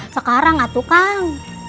sekarang atuh kang